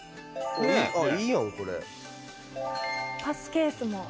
パスケースも。